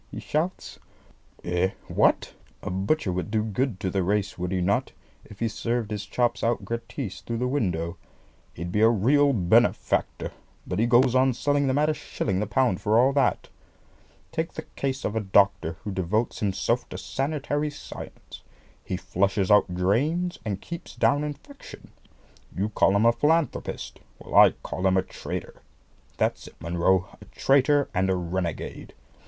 he shouts. "Eh, what? A butcher would do good to the race, would he not, if he served his chops out gratis through the window? He'd be a real benefactor; but he goes on selling them at a shilling the pound for all that. Take the case of a doctor who devotes himself to sanitary science. He flushes out drains, and keeps down infection. You call him a philanthropist! Well, I call him a traitor. That's it, Munro, a traitor and a renegade!